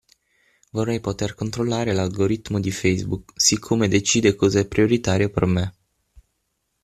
Vorrei poter controllare l'algoritmo di Facebook, siccome decide cosa è prioritario per me.